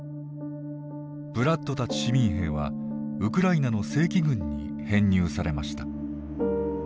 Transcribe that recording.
ブラッドたち市民兵はウクライナの正規軍に編入されました。